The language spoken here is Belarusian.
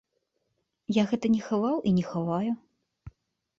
Я гэта не хаваў і не хаваю.